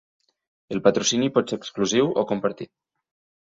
El patrocini pot ser exclusiu o compartit.